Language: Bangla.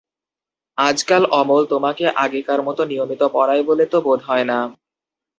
আজকাল অমল তোমাকে আগেকার মতো নিয়মিত পড়ায় বলে তো বোধ হয় না।